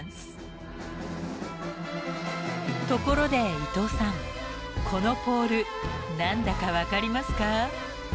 ［ところで伊藤さんこのポール何だか分かりますか？］